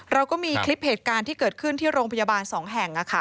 เราก็มีคลิปเหตุการณ์ที่เกิดขึ้นที่โรงพยาบาล๒แห่ง